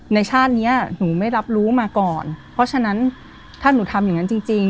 ชาติเนี้ยหนูไม่รับรู้มาก่อนเพราะฉะนั้นถ้าหนูทำอย่างนั้นจริงจริง